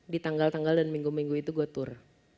di tanggal tanggal dan minggu minggu itu gue tur